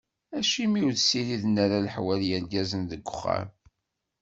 Acimi ur ssiriden ara leḥwal yergazen deg wexxam?